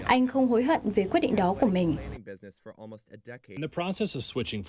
anh không hối hận về quyết định đó của mình